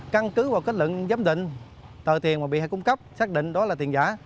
căn cứ vào kết luận giám định tờ tiền mà bị hại cung cấp xác định đó là tiền giả